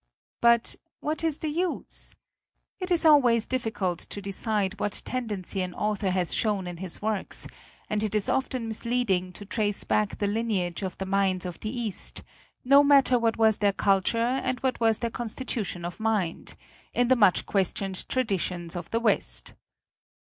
But what is the use? It is al ways difficult to decide what tendency xxi INTRODUCTION an author has shown in his works, and it is often misleading to trace back the lineage of the minds of the East no matter what was their culture, and what was their constitution of mind in the much questioned traditions of the West.